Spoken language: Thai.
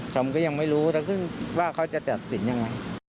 ผมก็ยังไม่รู้จะแสดงว่าเข้าจะจัดสินยังไง